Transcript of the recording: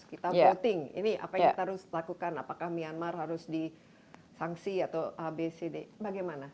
kita voting ini apa yang kita harus lakukan apakah myanmar harus disangsi atau abcd bagaimana